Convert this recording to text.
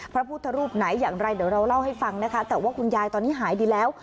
พระพุทธรูปไหนอย่างไรเดี๋ยวเราเล่าให้ฟังนะคะแต่ว่าคุณยายตอนนี้หายดีแล้ว